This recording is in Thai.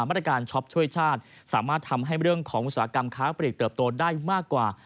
มาตรการช็อปช่วยชาติสามารถทำให้เรื่องของอุตสาหกรรมค้าปลีกเติบโตได้มากกว่า